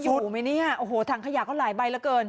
อยู่ไหมเนี่ยโอ้โหถังขยะก็หลายใบเหลือเกิน